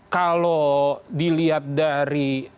kalau dilihat dari